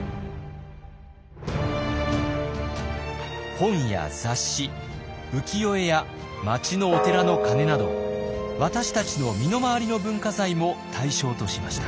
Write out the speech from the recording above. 本や雑誌浮世絵や町のお寺の鐘など私たちの身の回りの文化財も対象としました。